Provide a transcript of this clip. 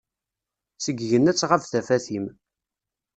Seg igenni ad tɣab tafat-im.